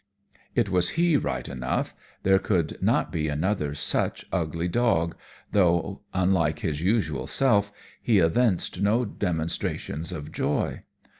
It was he right enough, there could not be another such ugly dog, though, unlike his usual self, he evinced no demonstrations of joy.